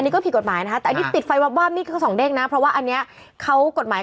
คือ๑รถยนต์อันนี้ถ้าพอระบอเรื่องของรถยนต์แล้วก็ได้